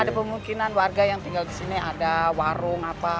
ada kemungkinan warga yang tinggal di sini ada warung apa